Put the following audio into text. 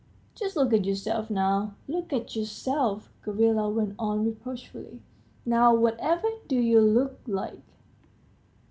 "Just look at yourself, now, look at yourself," Gavrila went on reproachfully; "now, whatever do you look like?"